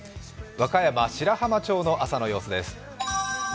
和歌山白浜町の朝の様子です。